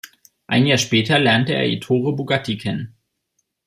Ein Jahr später lernte er Ettore Bugatti kennen.